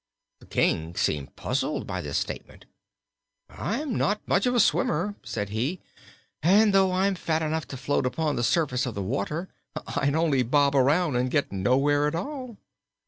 The King seemed puzzled' by this statement. "I'm not much of a swimmer," said he, "and, though I'm fat enough to float upon the surface of the water, I'd only bob around and get nowhere at all."